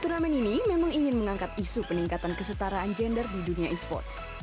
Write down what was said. turnamen ini memang ingin mengangkat isu peningkatan kesetaraan gender di dunia e sports